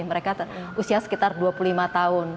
mereka usia sekitar dua puluh lima tahun